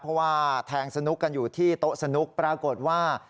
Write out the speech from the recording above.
เพราะว่าแทงสนุกกันอยู่ที่โต๊ะสนุกปรากฏว่า